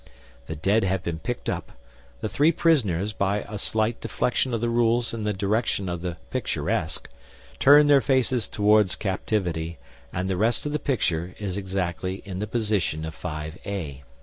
The dead have been picked up, the three prisoners, by a slight deflection of the rules in the direction of the picturesque, turn their faces towards captivity, and the rest of the picture is exactly in the position of 5a.